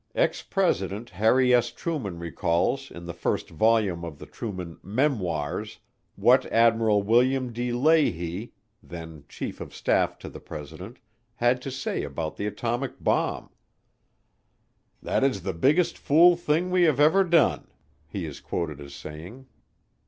Ex President Harry S. Truman recalls in the first volume of the Truman Memoirs what Admiral William D. Leahy, then Chief of Staff to the President, had to say about the atomic bomb. "That is the biggest fool thing we have ever done," he is quoted as saying.